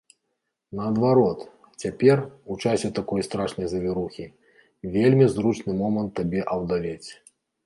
Наадварот, цяпер, у часе такой страшнай завірухі, вельмі зручны момант табе аўдавець.